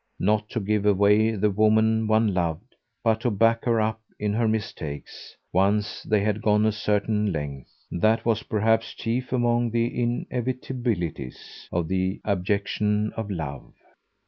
Not to give away the woman one loved, but to back her up in her mistakes once they had gone a certain length that was perhaps chief among the inevitabilities of the abjection of love.